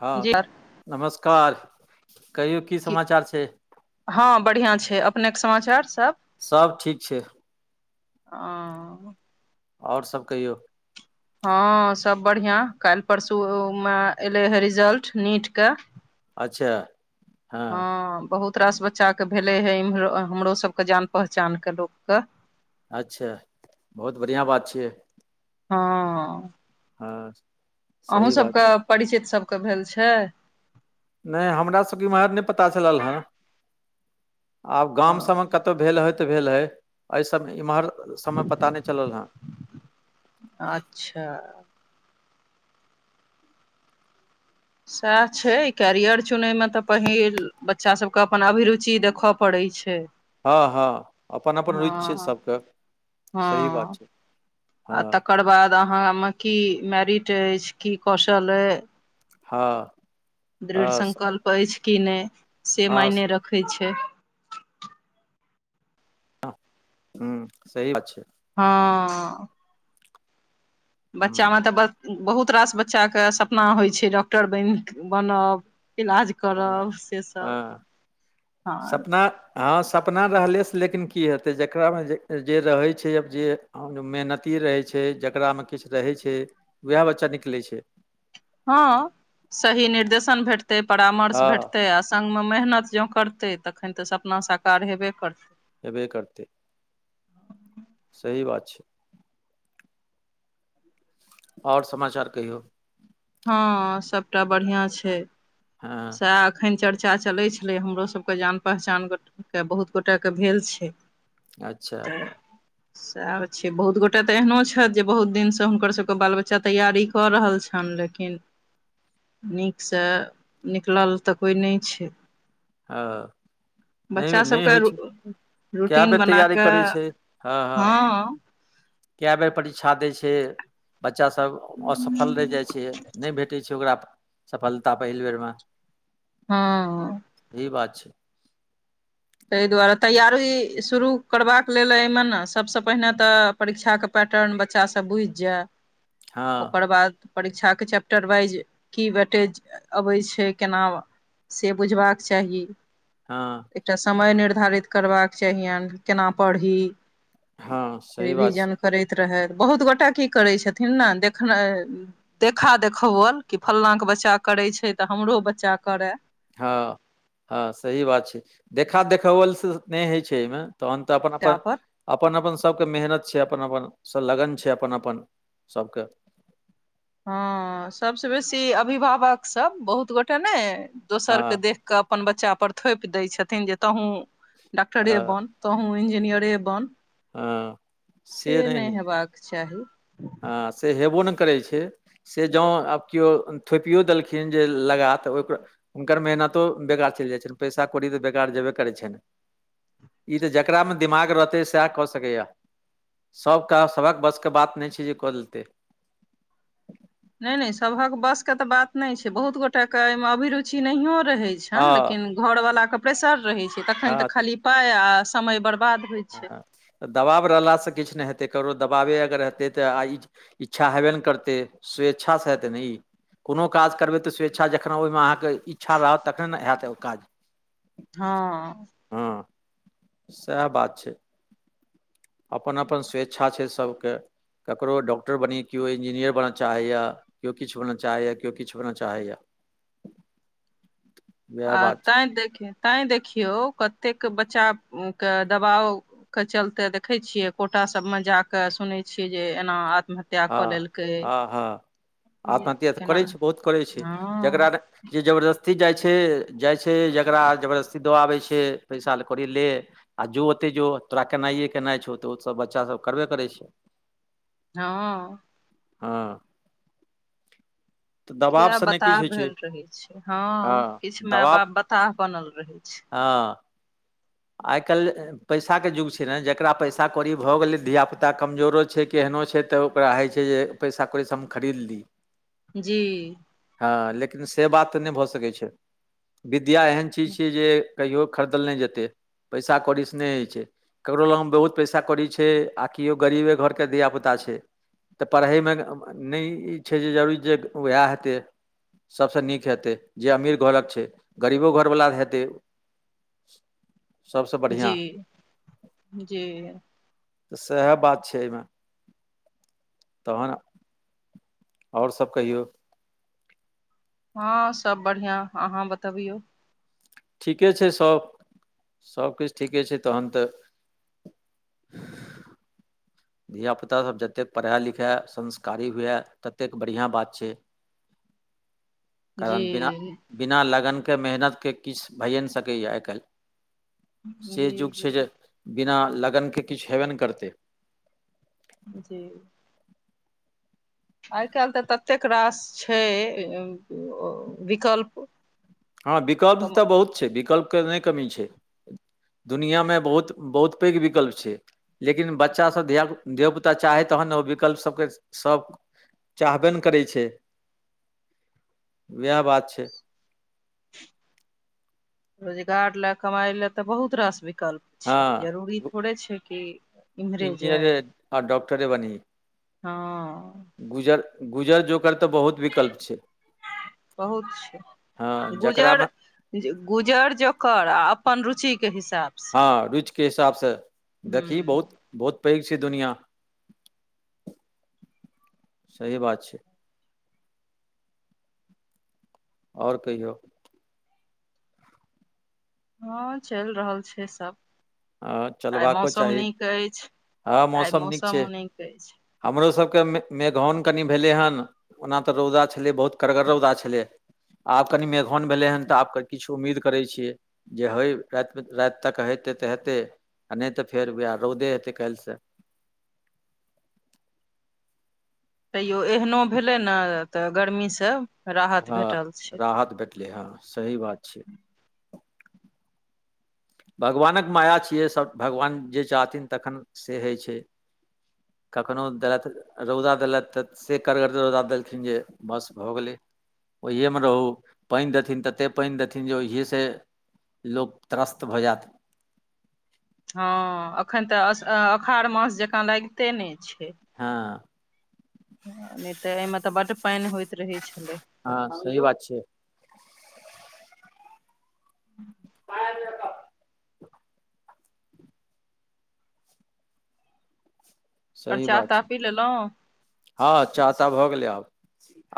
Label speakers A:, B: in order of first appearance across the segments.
A: हाँ,
B: जी
A: नमस्कार। कहियौ की समाचार छै।
B: हाँ बढ़ियाँ छै। अपनेक समाचार सब?
A: सब ठीक छै और सब कहियौ।
B: हाँ सब बढ़ियाँ। काइल परसु उमे एलै हे रिजल्ट नीट क।
A: अच्छा हँ
B: हाँ बहुत रास बच्चाके भेलऐ हे इमहरो, हमरो सबके जान पहचान क लोकके।
A: अच्छा बहुत बढ़ियाँ बात छियै।
B: हाँ
A: हाँ [unintelligible]
B: अहूँ सब क परिचित सब क भेल छै?
A: नै हमरा सबके इम्हर नै पता चलल ह। आब गाम सबमे कतउ भेल होइ, तऽ भेल होइ, ऐसब इम्हर सबमे पता नै चलल हँ।
B: अच्छा सैह छै, कैरियर चुनैमे तऽ पहिल, बच्चा सबके अपन अभिरुचि देखअ पड़ै छै।
A: हाँ हाँ, अपन अपन रुइच छै
B: हँ
A: सब कऽ। सही
B: हँ
A: बात छै। हाँ
B: अहाँ म कि मेरिट अईछ, की कौशल ए
A: हाँ
B: दृढ़ संकल्प अईछ कि नै से
A: हँ
B: मायने रखै छै।
A: ह हम्म सही बात छै।
B: हँऽ
A: ह
B: बच्चा म तऽ बड़ बहुत रास बच्चा क सपना होइ छै, डॉक्टर बैन बनब इलाज
A: हँ
B: करब से सब
A: हँ
B: हँ
A: सपना हँ सपना रहलेसँ लेकिन कि हेतै, जकरामे जे जे रहै छै आब जे हां जो मेहनती रहै छै, जकरामे किछु रहै छै, वएह बच्चा निकलै छै।
B: हँ सही निर्देशन भेटतै परामर्श
A: हँ
B: भेटतै आ संग में मेहनत जों करते तखन तऽ सपना साकार हेबे करतै।
A: हेबे करतै। सही बात छै। आओर समाचार कहियौ।
B: हँ सबटा बढ़ियां छै।
A: हां
B: सैह अखन चर्चा चलै छलै, हमरोसबके जान पहचान ग ट तैं बहुत गोटा क भेल छै।
A: अच्छा
B: सएह छै बहुत गोटे तऽ एहनो छथि, जे बहुत दिनसँ हुनकरसबके बाल बच्चा तैयारी कऽ रहल छनि ले किन नीकसँ निकलल तऽ कोइ नहि छै।
A: अँ
B: बच्चा सब कऽ रु
A: कए
B: रूटीन
A: बेर
B: बना
A: तैयारी
B: कऽ
A: करै छै हँ
B: हँ
A: कए बेर परीक्षा दै छै? बच्चासब असफल रहि जाइ छै, नहि भेटै छै ओकरा सफलता पहिल बेर म
B: हँ
A: ही बात छै।
B: ताहि दुआरे तैयारी शुरू करबाक लेल एहिमे न सबसँ पहिने तऽ परीक्षा क पैटर्न बच्चासब बुझि जाए
A: हँ
B: ओकर बाद परीक्षाके चैप्टर वाइज की भेटैछ अबै छै केना से बुझबाक चाही।
A: हँ
B: एकटा समय निर्धारित करबाक चाहियनि केना पढ़ी।
A: हँ सही बात
B: रिविजन
A: छै
B: करैत रहथि, बहुत गोटा की करै छथिन न देखनय देखा-देखौवल कि फंला के बच्चा करै छै तऽ, हमरो बच्चा करेंऽ।
A: हँ-हँ सही बात छै, देखा-देखौवल से नहि होइ छै एहिमे तहन तऽ
B: तै
A: अपन-अपन
B: पर
A: अपन-अपन सबके मेहनत छै, अपन-अपन स लगन छै, अपन-अपन सबके
B: हँ सबसँ बेसी अभिभावकसब बहुत गोटे नहि
A: हँ
B: दोसरके देख कऽ अपन बच्चापर थोपि दै छथिन, जे तहूँ डॉक्टरे
A: हँ
B: बन तहूँ इंजीनियरे बन,
A: हँ
B: से नहि हेबाक चाही।
A: अ से हेबो नहि करै छै। से जौं आब कियो थोपियो देलखिन जे लगा तऽ ओइक हुनकर मेहनतो बेकार चलि जाइ छनि, पैसा कौड़ी तऽ बेकार जेबे करै छनि। ई त जकरामे दिमाग रहतै, सएह कऽ सकैया। सबकाज सबक बसके बात नहि छै जे कऽ लेतै।
B: नहि-नहि सभक बस के तऽ बात नहि छै, बहुत गोटाे केए मे अभिरुचि नहियो रहे छै। छनि
A: हँ
B: लेकिन घरवलाके प्रेसर रहै छै तखन तऽ
A: हँ
B: खाली पाइ आ समय बर्बाद होइ
A: ह
B: छै
A: तऽ दबाव रहलासँ किछु नहि हेतै ककरो दबावे अगर हेतै तऽ आ ई इच्छा हेबे ने करतै, स्वेच्छा से हेतै ने ई कोनो काज करबै तऽ स्वेच्छा जखन ओहिमे अहाँके इच्छा रहत तखने ने हयैत ओ काज
B: हँ।
A: हँ, सएह बात छै। अपन अपन स्वेच्छा छै सभके। ककरो डॉक्टर बनी केओ इन्जीनियर बनऽ चाहैए। केओ किछु बनअ चाहैए केओ किछु बन चाहैए। उएह
B: आ
A: बात छै
B: तैं देखियौ तैं देखियौ कतेक बच्चा के दबाव के चलते देखै छियै कोटा सभमे जाकऽ सुनैत छियै जे एना आत्महत्या कऽ
A: हाँ
B: लेलकै
A: हाँ आत्महत्या तऽ
B: केना
A: करै छै बहुत करै छै,
B: हँ
A: जकरा जे जबरदस्ती जाइ छै जाइ छै जकरा जबरदस्ती दऽ आबै छै पैसा कौड़ी ले आ जो ओते जो तोरा केनाइए केनाइ छौ तऽ ओसभ बच्चा सब करबे करैत छै।
B: हँ।
A: हँ। तऽ
B: किया
A: दबावसँ नहि किछु
B: बताह
A: होइ छै
B: भेल रहे छै,
A: हँ
B: किछ माय
A: दबाव
B: बाप बताह बनल रहे छै।
A: हँ। आइ काल्हि। पैसाके युग छै ने जकरा पैसा कौड़ी भऽ गेलै धियापुता कमजोरो छै केहनो छै तऽ ओकरा होइ छै जे पैसा कौड़ी से सब चीज हम खरीदली, एमहर
B: जी।
A: हँ लेकिन से बात तऽ नहि भऽ सकैत छै न विद्या एहन चीज छियै जे कहियो खरीदल नहि जेतै पैसा कौड़ीसँ नहि होइ छै!। ककरो लग म बहुत पैसा कौड़ी छै आ केओ गरीबे घरके धि पुता छै तऽ पढ़ैमे नहि ई छै जे जरूरी जे उएह हेतै। सभसँ नीक हेतै जे अमीर घरक छै गरीबो, घरवला हेतै। सबसँ
B: जी
A: बढ़िआँ
B: जी
A: तऽ सएह बात छै एहिमे तहन। आओर सब कहियौ।
B: हँ सब बढ़िआँ अहाँ बतबियौ।
A: ठीके छै सब सबकिछु ठीके छै तहन तऽ धियापुतासभ जतेक पढ़ए लिखए संस्कारी हुए ततेक बढ़िआँ बात छै।
B: [inaudible]
A: कारण बिना बिना लगनके मेहनतके किछु भइए नहि सकैए आइ काल्हि से
B: जी
A: युग छै जे
B: जी
A: बिना लगनके किछु हेबे ने करतै।
B: जी। आइ काल्हि तऽ ततेक रास छै विकल्प
A: हँ विकल्प
B: कम
A: तऽ बहुत छै विकल्पके नहि कमी छै। दुनिआँमे बहुत बहुत पैघ विकल्प छै। लेकिन बच्चासभ धिया धियापुता चाहै तखन ओ विकल्प सभके सभ चाहबे ने करै छै वएह बात छै।
B: रोजगार लए कमाइ लए तऽ बहुत रास विकल्प
A: हँ
B: छै, जरूरी थोड़े छै कि इम्हरे
A: इंजनियरे
B: जाय
A: आ डॉकटरे बनए
B: हँ।
A: गुजर गुजर जकर तऽ बहुत विकल्प छै।
B: बहुत
A: हँ
B: छै गुजर
A: जकरामे
B: गुजर जोकर आ अपन रुचि के हिसाब से
A: हँ रुच के हिसाबसँ देखी बहुत बहुत पैघ छै, दुनिया सही बात छै। और कहियौ।
B: हँ चलि रहल छै सब।
A: हँ
B: आइ
A: चलबाको
B: मौसम
A: चाही
B: नीक अछि
A: हँ
B: आइ
A: नीक छै
B: मौसम नीक अछि।
A: हमरो सभके मे मेघौन कनि भेलै हन ओना तऽ रौदा छलै बहुत कड़गर रौदा छलै। आब कनि मेघन भेलै हन तऽ आब किछु उम्मीद करै छियै। जे होइ रातिमे राति तक हेतै तऽ हेतै आ नहि तऽ फेर उएह रौदे हेतै काल्हिसँ
B: तैयो एहनो भेलै ने तऽ गर्मीसँ
A: हँ राहत भेटलै हँ सही बात छै। भगवानक माया छियै सभ भगवान जे चाहथिन तखन से होइ छै। कखनो देत रौदा देलैथ तऽ से करगर रौदा देलखिन जे बस भऽ गेलै। ओहिेये मे रहू पानि देथिन तते पानि देथिन जे ओहिसँ लोक त्रस तऽ भऽ जायत
B: हँ एखन तऽ अ आखर मास अल कुमारमास जँकाँ लागिते नहि छै।
A: हँ।
B: नय तऽ एहिमे तऽ बड्ड पानि होइत रहैत छलै।
A: हँ सही बात छै।
B: ह
A: आ [unintelligible]
B: आओर
A: सही
B: चाह
A: बात
B: ताह
A: छै
B: पी लेलहुँ
A: हँ चाह ताह भऽ गेलै आब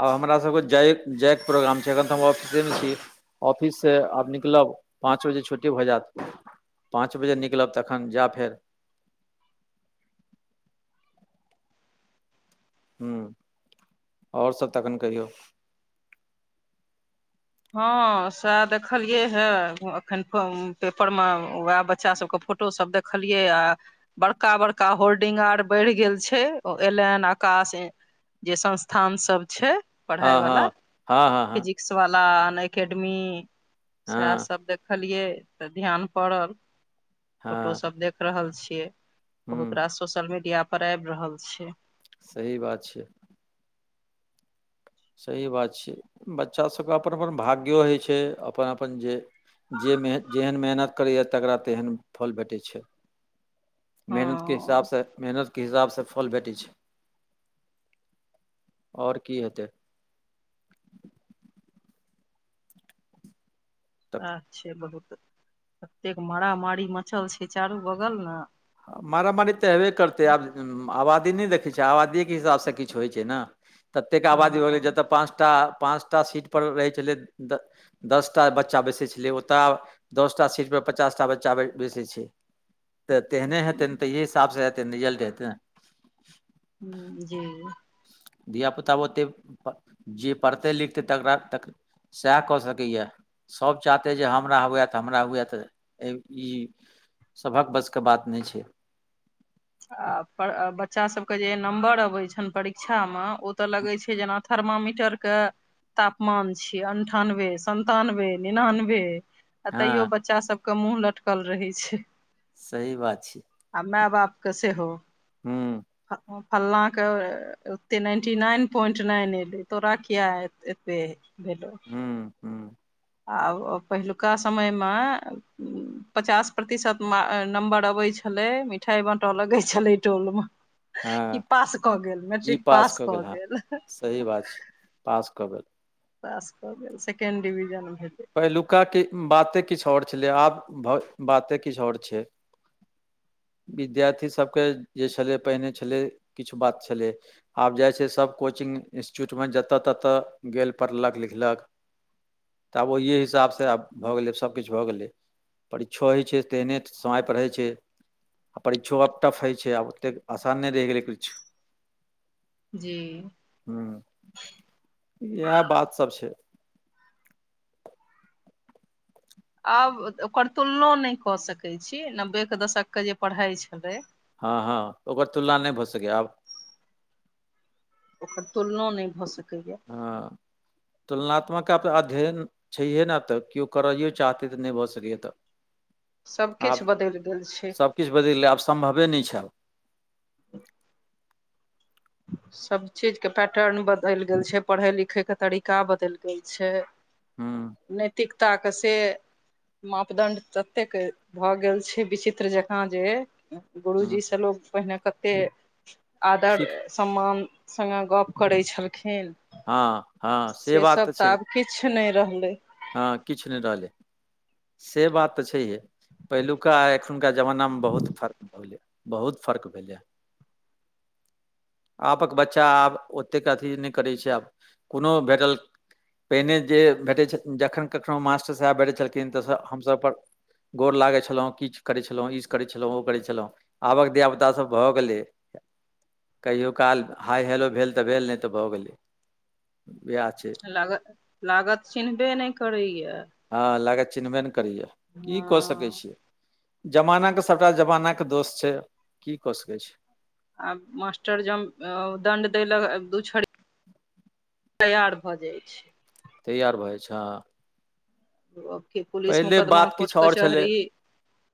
A: आ हमरा सबके जाय जायके प्रोग्राम छै एखन तऽ हम ऑफिसे मे छी। ऑफिस से आब निकलब पाँच बजे छुट्टी भऽ जायत। पाँच बजे निकलब तखन जायब फेर ह्मँ ओर सब तखन कहियौ।
B: हँ सएह देखलियै हे एखन कऽ पेपर मे उएह बच्चा सबके फोटो फोटो सब देखलियै आ। बड़का बड़का होल्डिंग आर बढ़ि गेल छै एलेन हेन आकाश जे संस्थानसभ छै। पढ़ाई
A: हँ
B: वाला
A: हँ हँ हँ हँ
B: फिजिक्स वाला अन एकेडमी स
A: हँ
B: सब देखलियै तऽ ध्यान पड़ल
A: हँ
B: फोटोसभ देख रहल छियै। बहुत
A: हूँ
B: रास सोशल मीडिया पर आबि रहल छै।
A: सही बात छै। सही बात छैय बच्चा सबके अपन -अपन भाग्यो होइ छै अपन -अपन जे जे मेन जेहन मेहनत करैए तकरा तेहन फल भेटैत छै।
B: हँ
A: मेहनत के हिसाबसँ मेहनत। के हिसाबसँ फल भेटै छै आओर की हेतै। तऽ
B: वएह छै बहुत एतेक मारामारी मचल छै चारू बगल न
A: मरा मरी तेए करतै आब आबादी नहि देखै छियै आबादियएके हिसाबसँ किछु होइत छै ने ततेक आबादी भऽ गेलै
B: हँ
A: जतय पाँच टा पाँच टा सीटपर रहै छलै। दसटा बच्चा बैसै छलै ओतय दस टा सीट परर पचास टा बच्चा बैसै छै। तऽ तेहने हेतैन ते ऐ हिसाब से हेतैन रिजल्ट हेतैन ने
B: जी।
A: धियापुता ओतेक जे पढ़तै लिखतै तकरा तक सैह कऽ सकैये। सभ चाहतै जे हमरा हुए त हमरा हुए त एहि ई सभक वस के बात नहि छै।
B: आ बच्चासभके जे नम्बर अबैत छनि परीक्षामे ओ तऽ लगैत छै जेना थर्मामीटर के तापमान छियै अन्ठानबे सन्तानबे निनानबे आ
A: हँ
B: तैयो बच्चा सबके मुँह लटकल रहै छै।
A: सही बात छै।
B: आ मार बाप के सेहो
A: हूं।
B: फल्लाँके ओते नाइन्टी नाइन पोइंट नाइन एयलै तोरा किया एतबे हेलो
A: हूँ हूँ
B: अ ओ पेहलुका समय मे पचास प्रतिशत नम्बर अबै छलैय, मिठाई बाँटऽ लगै छलैये टोल मे
A: हँ
B: ई पाह कऽ गेल मैट्रिक पास कऽ गेल
A: सही बात छै पास कऽगेल
B: पास कऽ गेल सेकेंड डिविजन भेलै
A: पहिलुका कि बाते किछ और छलै आब भ बाते किछ और छै विद्यार्थी सभके जे छलै पहिने छलै किछ बात छलै आब जाइ छै सब कोचिंग इन्स्टिट्यूटमे जतऽ ततऽ गेल पढ़लक लिखलक तऽ आब ओहि हिसाबसँ आब भऽ गेलै सभ किछ भऽ गेलै परीक्षो होइ छै तेहने समय पर होइ छै आ परीक्षो आब टफ होइ छै आब ओतेक आसान नहि रहि गेलै किछ
B: जी।
A: हूं, यैह बात सब छै
B: आब ओकर तुलनो नहि कऽ सकैत छियै, नब्बेके दशकके जे पढ़ाइ छलै
A: हँ हँ ओकर तुलना नहि भऽ सकैए आब
B: ओकर तुलनो नहि भऽ सकैए
A: हँ तुलनात्मक आब अध्ययन छैहे नै तऽ केओ करैओ चाहतै तऽ नहि भऽ सकैए तऽ
B: सभ किछ बदलि गेल छै
A: सब किछ बदलि गेलै आब सम्भवे नहि छै आब
B: सभ चीजके पैटर्न बदलि गेल छै, पढ़य लिखयके तरीका बदलि गेल छै
A: हूँ
B: नैतिकताके से मापदंड ततेक भऽ गेल छै विचित्र जकाँ जे गुरूजी
A: हूँ
B: सँ लोक पहिने कतेक आदर
A: सीख
B: सम्मान संगे गप करै छलखिन
A: हँ हँ
B: से
A: बात
B: सब तऽ
A: छै
B: आब किछ नहि रहलै
A: हँ किछ नहि रहलै से बात तऽ छैहे, पहिलुका एखुनका जमाना में बहुत फर्क भऽ गेलै बहुत फर्क भेलैये आबक बच्चा आब ओतेक अथी करै छै आब कोनो भेटल पहिने जे भेटै छत जखन कखनो मास्टर साहेब भेटैत छलखिन त हमसभ प्र गोड़ लागै छलहुँ किछ करै छलहुँ ईज करै छलहुँ ओ करै छलहुँ आबक धिया पुता सभ भ गेलै कहियो काल हाइ हेलो भेल त भेल नै त भ गेलै बिहा छै
B: लागत लागत चिन्हबे नै करैय
A: हँ लागत चिन्हबे नै करैए की क सकै
B: हँ
A: छियै जमाना के सभटा जमाना के दोस छै की क सकै छी
B: आब मास्टर जम अ दंड देलक दू छड़ी तैयार भ जाइ छैय
A: तैयार भ जाइ छै ह
B: ओकी पुलिस मुोकदमा
A: बात
B: कोर्ट
A: किछु आओर छलै
B: कचहरी